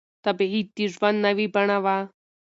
تبعيد د ژوند نوې بڼه وه.